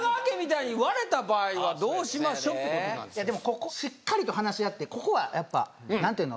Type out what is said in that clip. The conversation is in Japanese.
ここしっかりと話し合ってここはやっぱなんていうの？